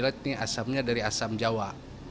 berarti asamnya dari asam jawa